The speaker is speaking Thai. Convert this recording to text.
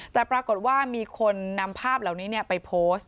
แต่ปรากฏว่ามีคนนำภาพเหล่านี้ไปโพสต์